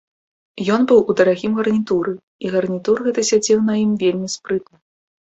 Ён быў у дарагім гарнітуры, і гарнітур гэты сядзеў на ім вельмі спрытна.